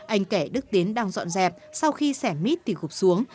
anh kể đức tiến đang dọn dẹp sau khi xẻ mít thì gục xuống